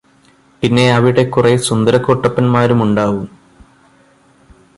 പിന്നെ അവിടെ കുറെ സുന്ദരകുട്ടപ്പൻമാരുമുണ്ടാവും